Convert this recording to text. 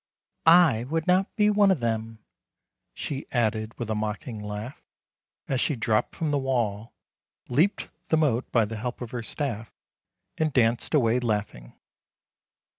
"— I would not be one of them," she added with a mocking laugh, as she dropped from the wall, leaped the moat by the help of her staff, and danced away laughing.